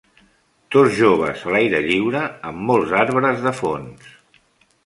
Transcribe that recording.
Dos joves a l'aire lliure, amb molts arbres de fons.